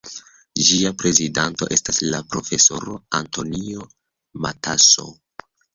Ĝia prezidanto estas la profesoro Antonio Matasso.